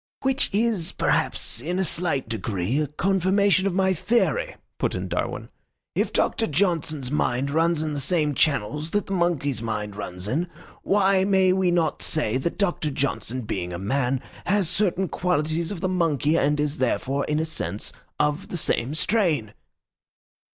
"Which is perhaps, in a slight degree, a confirmation of my theory," put in Darwin. "If Doctor Johnson's mind runs in the same channels that the monkey's mind runs in, why may we not say that Doctor Johnson, being a man, has certain qualities of the monkey, and is therefore, in a sense, of the same strain?"